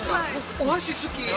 お箸好き？